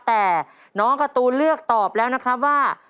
แต่น้องการ์ตูนเลือกตอบแล้วนะครับว่า